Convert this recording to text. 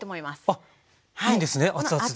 あっいいんですね熱々で。